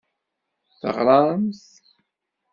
Teɣramt.